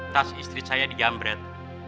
tas istri saya di jamret